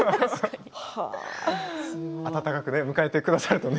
温かく迎えてくださるとね。